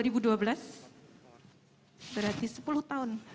berarti sepuluh tahun